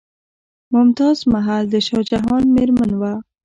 ممتاز محل د شاه جهان میرمن وه.